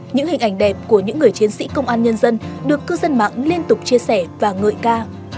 những hình ảnh đẹp của những người chiến sĩ công an nhân dân được cư dân mạng liên tục chia sẻ và ngợi ca